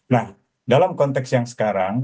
nah dalam konteks yang sekarang